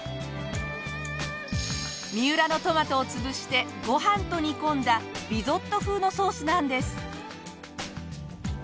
三浦のトマトを潰してご飯と煮込んだリゾット風のソースなんです。